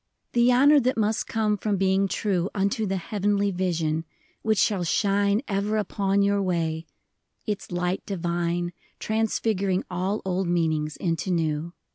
The honor that must come from being true Unto the Heavenly Vision, — which shall shine Ever upon your way, — its light divine Transfiguring all old meanings into new.